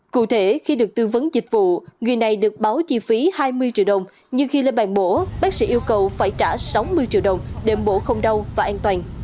cụ thể khi được tư vấn dịch vụ người này được báo chi phí hai mươi triệu đồng nhưng khi lên bàn bổ bác sĩ yêu cầu phải trả sáu mươi triệu đồng để bổ không đau và an toàn